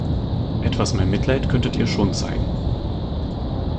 Etwas mehr Mitleid könntet ihr schon zeigen!